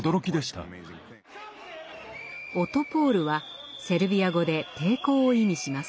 オトポール！はセルビア語で「抵抗」を意味します。